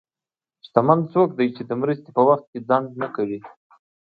شتمن څوک دی چې د مرستې په وخت کې ځنډ نه کوي.